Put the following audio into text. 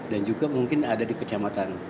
dan juga mungkin ada di kecamatan